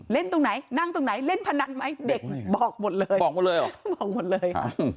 เล่นตรงไหนนั่งตรงไหนเล่นพนันไหมเด็กบอกหมดเลย